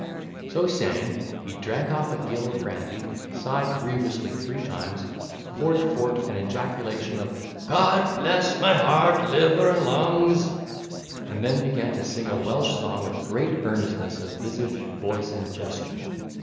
So saying, he drank off a gill of brandy sighed grievously three times, poured fort an ejaculation of "Cot pless my heart, liver, and lungs!" and then began to sing a Welsh song with great earnestness of visage, voice, and gesture.